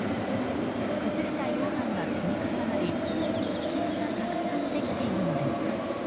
崩れた溶岩が積み重なり隙間がたくさんできているのです。